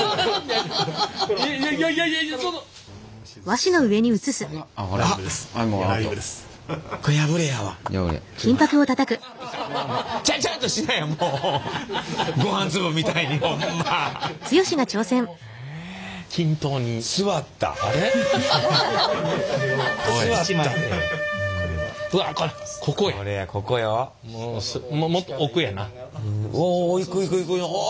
おいくいくいく！